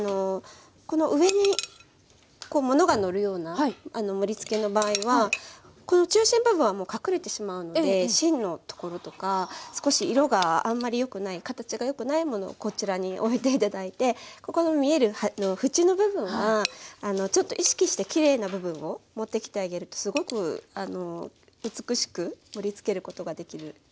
この上にものがのるような盛りつけの場合はこの中心部分はもう隠れてしまうので芯の所とか少し色があんまりよくない形がよくないものをこちらにおいて頂いてここの見えるふちの部分はちょっと意識してきれいな部分を持ってきてあげるとすごく美しく盛りつけることができます。